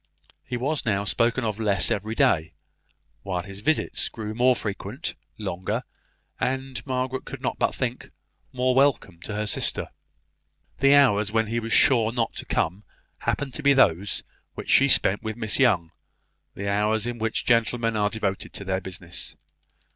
He was now spoken of less every day, while his visits grew more frequent, longer, and, Margaret could not but think, more welcome to her sister. The hours when he was sure not to come happened to be those which she spent with Miss Young the hours in which gentlemen are devoted to their business.